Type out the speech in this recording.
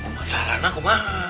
masalahnya aku mah